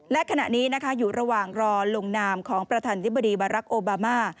และขณะนี้นะคะอยู่ระหว่างรอลงนามของประธานธิบดีบารักษ์โอบามา